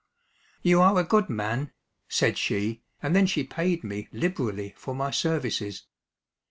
"You are a good man," said she, and then she paid me liberally for my services.